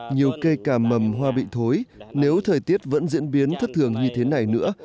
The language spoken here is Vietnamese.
nhiều cây cà mầm hoa bị thối nếu thời tiết vẫn diễn biến thất thường như thế này nữa